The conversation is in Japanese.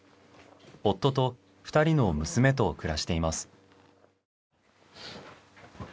夫と２人の娘と暮らしています。